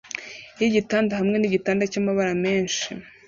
yigitanda hamwe nigitanda cyamabara menshi